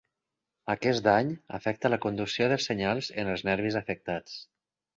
Aquest dany afecta la conducció de senyals en els nervis afectats.